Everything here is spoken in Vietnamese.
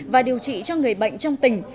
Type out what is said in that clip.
và điều trị cho người bệnh trong tỉnh